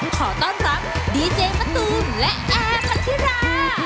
ขอต้อนรับดีเจมะตูมและแอร์พันธิรา